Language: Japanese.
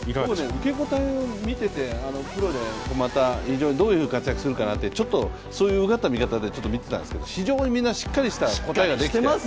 受け答えを見てて、プロでどういう活躍をするかなってうがった見方で見てたんですけど非常にみんなしっかりした答えができてた。